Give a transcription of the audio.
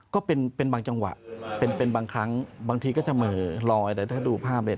ก็เป็นบางจังหวะเป็นบางครั้งบางทีก็จะเหม่อลอยแต่ถ้าดูภาพเลย